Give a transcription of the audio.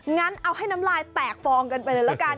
งั้นเอาให้น้ำลายแตกฟองกันไปเลยละกัน